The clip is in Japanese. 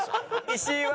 石井は？